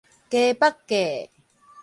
街腹價